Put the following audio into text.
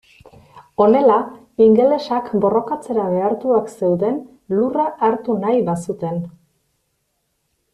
Honela ingelesak borrokatzera behartuak zeuden lurra hartu nahi bazuten.